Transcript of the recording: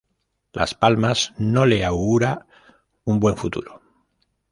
Las Palmas, no le augura un buen futuro.